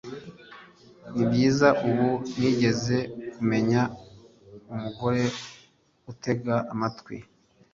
nibyiza ubu nigeze kumenya umugore utega amatwi